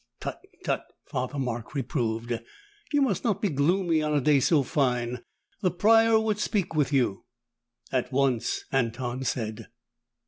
"Tut, tut," Father Mark reproved. "You must not be gloomy on a day so fine. The Prior would speak with you." "At once," Anton said.